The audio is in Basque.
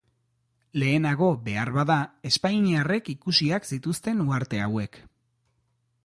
Lehenago, beharbada, espainiarrek ikusiak zituzten uharte hauek.